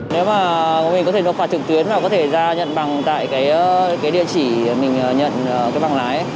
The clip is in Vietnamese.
nếu mà mình có thể nộp phạt trực tuyến là có thể ra nhận bằng tại cái địa chỉ mình nhận cái bằng lái